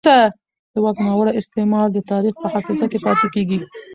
د واک ناوړه استعمال د تاریخ په حافظه کې پاتې کېږي